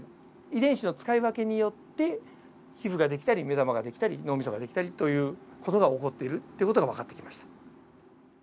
遺伝子の使い分けによって皮膚ができたり目玉ができたり脳みそができたりという事が起こってるという事が分かってきました。